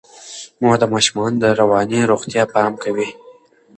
مور د ماشومانو د رواني روغتیا پام کوي.